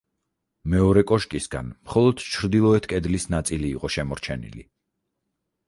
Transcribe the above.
მეორე კოშკისგან მხოლოდ ჩრდილოეთ კედლის ნაწილი იყო შემორჩენილი.